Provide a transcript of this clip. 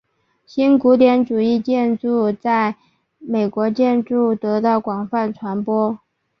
新古典主义建筑在美国建筑得到广泛传播。